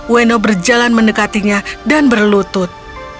weno berjalan mendekatinya dan berlutut